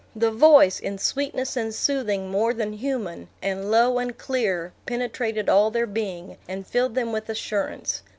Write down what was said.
The voice, in sweetness and soothing more than human, and low and clear, penetrated all their being, and filled them with assurance.